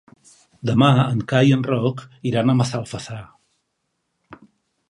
Demà en Cai i en Roc iran a Massalfassar.